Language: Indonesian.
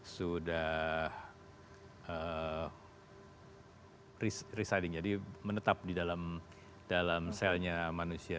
sudah residing jadi menetap di dalam selnya manusia